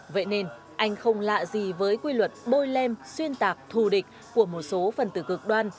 vậy nên anh không lạ gì với quy luật bôi lem xuyên tạc thù địch của một số phần tử cực đoan